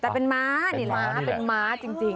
เป็นม้า